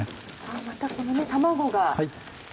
またこの卵が。